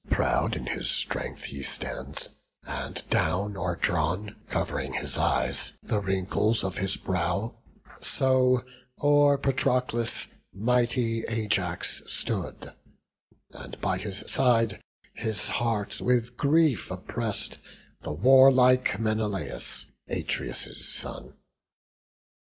Proud in his strength he stands; and down are drawn, Cov'ring his eyes, the wrinkles of his brow: So o'er Patroclus mighty Ajax stood, And by his side, his heart with grief oppress'd, The warlike Menelaus, Atreus' son.